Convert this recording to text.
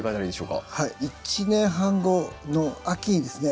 １年半後の秋にですね